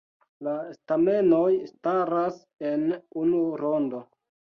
La stamenoj staras en unu rondo.